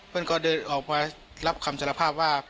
เพื่อนก็เดินออกมารับคำสารภาพว่า